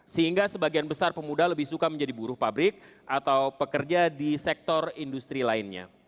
sehingga sebagian besar pemuda lebih suka menjadi buruh pabrik atau pekerja di sektor industri lainnya